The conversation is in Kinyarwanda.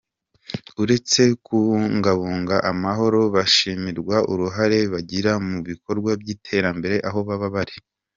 Uretse kubungabunga amahoro, bashimirwa uruhare bagira mu bikorwa by’iterambere aho baba bari.